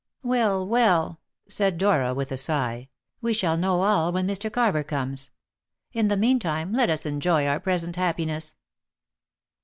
"Well, well," said Dora with a sigh, "we shall know all when Mr. Carver comes. In the meantime, let us enjoy our present happiness."